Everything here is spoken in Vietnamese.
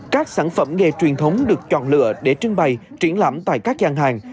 các sản phẩm nghề truyền thống được chọn lựa để trưng bày triển lãm tại các gian hàng